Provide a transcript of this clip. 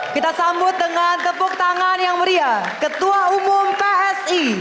kita sambut dengan tepuk tangan yang meriah ketua umum psi